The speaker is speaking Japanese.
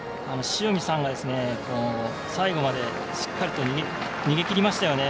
塩見さんが、最後までしっかりと逃げきりましたよね。